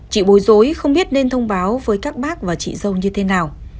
chị bối rối không biết nên thông báo với các bác và chị dâu như thế nào